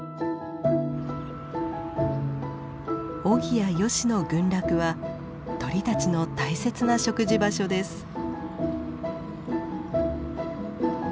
オギやヨシの群落は鳥たちの大切な食事場所です。